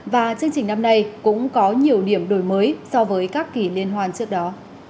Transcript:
và chương trình năm nay cũng có nhiều điểm đổi mới so với các kỷ liên hoan trước đó